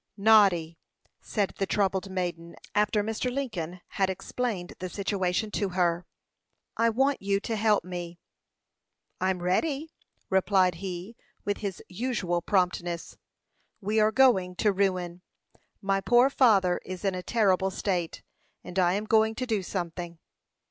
"Noddy," said the troubled maiden, after Mr. Lincoln had explained the situation to her, "I want you to help me." "I'm ready," replied he, with his usual promptness. "We are going to ruin. My poor father is in a terrible state, and I am going to do something."